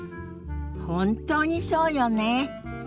本当にそうよね。